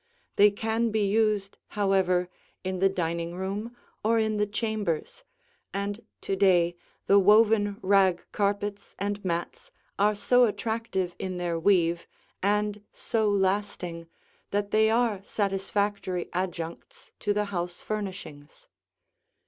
They can be used, however, in the dining room or in the chambers, and to day the woven rag carpets and mats are so attractive in their weave and so lasting that they are satisfactory adjuncts to the house furnishings.